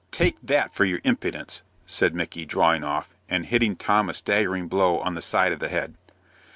"Take that for your impudence!" said Micky, drawing off, and hitting Tom a staggering blow on the side of the head.